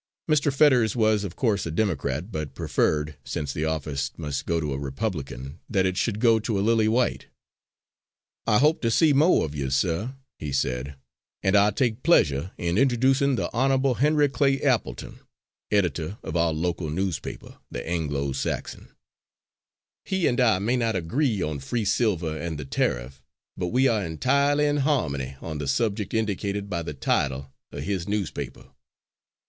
Mr. Fetters was of course a Democrat, but preferred, since the office must go to a Republican, that it should go to a Lily White. "I hope to see mo' of you, sir," he said, "and I take pleasure in introducing the Honourable Henry Clay Appleton, editor of our local newspaper, the Anglo Saxon. He and I may not agree on free silver and the tariff, but we are entirely in harmony on the subject indicated by the title of his newspaper.